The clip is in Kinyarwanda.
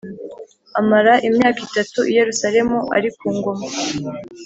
Amara imyaka itatu i Yerusalemu ari ku ngoma